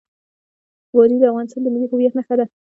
وادي د افغانستان د ملي هویت نښه ده.